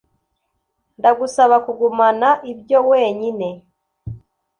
Ndagusaba kugumana ibyo wenyine